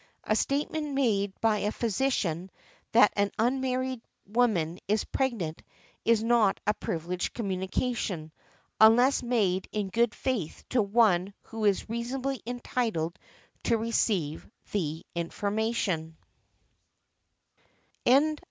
A statement made by a physician that an unmarried woman is pregnant is not a privileged communication, unless made in good faith to one who is reasonably entitled to receive the information .